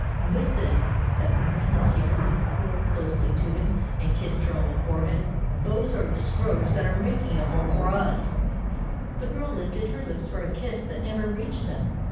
"Listen," said the man, as he drew the girl closely to him and kissed her on the forehead; "those are the strokes that are making a home for us." The girl lifted her lips for a kiss that never reached them.